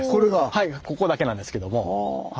はいここだけなんですけども。